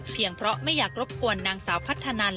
เพราะไม่อยากรบกวนนางสาวพัฒนัน